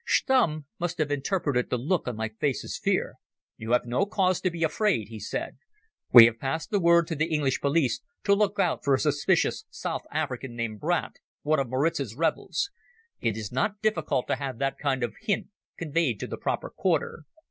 Stumm must have interpreted the look on my face as fear. "You have no cause to be afraid," he said. "We have passed the word to the English police to look out for a suspicious South African named Brandt, one of Maritz's rebels. It is not difficult to have that kind of a hint conveyed to the proper quarter.